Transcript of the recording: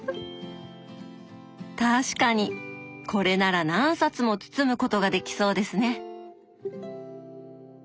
確かにこれなら何冊も包むことができそうですね。